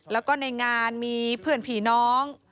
แล้วก็ในงานมีเพื่อนผีน้อง